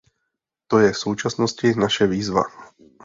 To je v současnosti naše výzva.